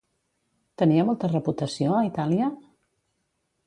Tenia molta reputació a Itàlia?